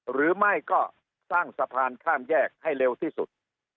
หรือไม่ก็สร้างสะพานข้ามแยกให้เร็วที่สุด